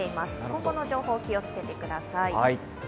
今後の情報、気をつけてください。